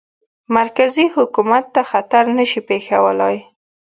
مرکزي حکومت ته خطر نه شي پېښولای.